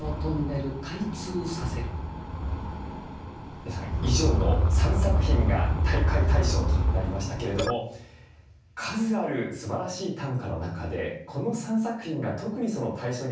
皆さん以上の３作品が大会大賞となりましたけれども数あるすばらしい短歌の中でこの３作品が特にそのそうですね。